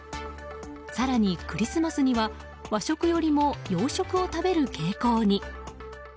更にクリスマスには和食よりも洋食を食べる傾向に。